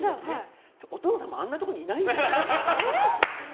お殿様は、あんなところにいないんですよ。